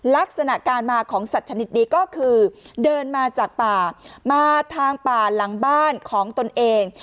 ลักษณะการมาของสัตว์ชนิดนี้ก็คือเดินมาจากป่ามาทางป่าหลังบ้านของตนเอง